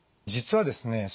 実はですね